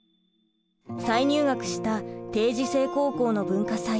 再入学した定時制高校の文化祭。